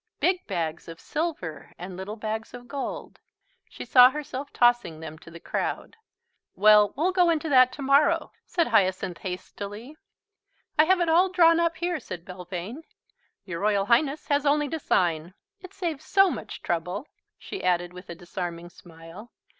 Big bags of silver and little bags of gold." She saw herself tossing them to the crowd. "Well, we'll go into that to morrow," said Hyacinth hastily. "I have it all drawn up here," said Belvane. "Your Royal Highness has only to sign. It saves so much trouble," she added with a disarming smile. ..